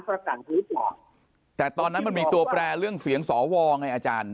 ประกันถือบอกแต่ตอนนั้นมันมีตัวแปลเรื่องเสียงสวงไงอาจารย์